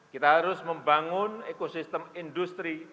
kita harus membangun ekosistem industri